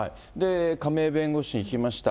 亀井弁護士に聞きました。